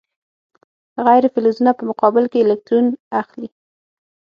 غیر فلزونه په مقابل کې الکترون اخلي.